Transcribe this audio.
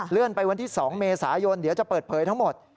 ไปวันที่๒เมษายนเดี๋ยวจะเปิดเผยทั้งหมด